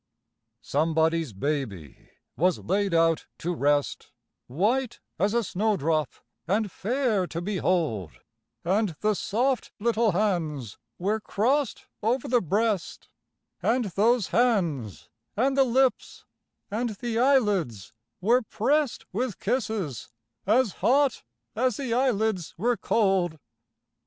Somebody's baby was laid out to rest, White as a snowdrop, and fair to behold, And the soft little hands were crossed over the breast, And those hands and the lips and the eyelids were pressed With kisses as hot as the eyelids were cold.